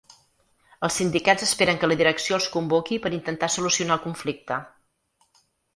Els sindicats esperen que la direcció els convoqui per intentar solucionar el conflicte.